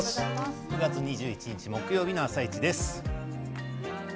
９月２１日木曜日の「あさイチ」です。